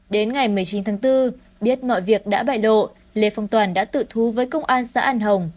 đến ngày một mươi chín tháng bốn biết mọi việc đã bài độ lê phong toàn đã tự thú với công an xã an hồng